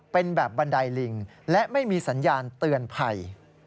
เป็นแบบบันไดลิงและไม่มีสัญญาณเตือนภัย